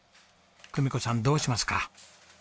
久美子さんどうしますか？